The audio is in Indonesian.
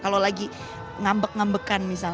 kalau lagi ngambek ngambekan misalnya